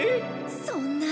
そんな。